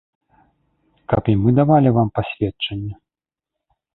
Каб і мы далі вам пасведчанне?